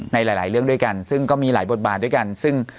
ในหลายเรื่องด้วยกันซึ่งก็มีหลายบทบาทด้วยกันซึ่ง